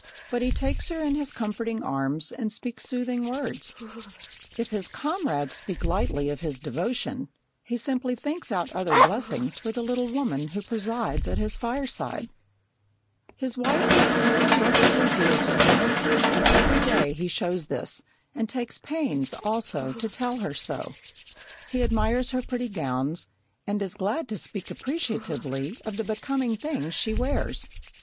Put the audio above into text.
But he takes her in his comforting arms and speaks soothing words. If his comrades speak lightly of his devotion, he simply thinks out other blessings for the little woman who presides at his fireside. His wife is inexpressibly dear to him, and every day he shows this, and takes pains, also, to tell her so. He admires her pretty gowns, and is glad to speak appreciatively of the becoming things she wears.